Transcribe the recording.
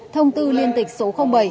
thông tư liên tịch số bảy